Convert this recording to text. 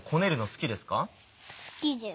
好きです。